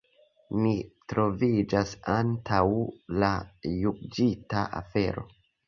Ni troviĝas antaŭ la juĝita afero.